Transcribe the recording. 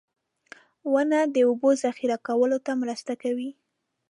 • ونه د اوبو ذخېره کولو ته مرسته کوي.